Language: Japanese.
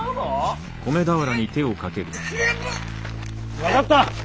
分かった！